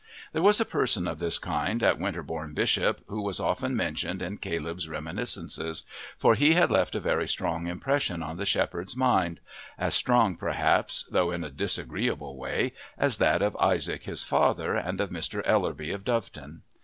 There was a person of this kind at Winterbourne Bishop who was often mentioned in Caleb's reminiscences, for he had left a very strong impression on the shepherd's mind as strong, perhaps, though in a disagreeable way, as that of Isaac his father, and of Mr. Ellerby of Doveton.